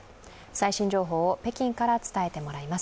最新情報を北京から伝えてもらいます。